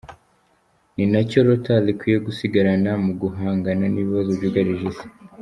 Ni nacyo Rotary ikwiye gusigarana mu guhangana n’ibibazo byugarije Isi.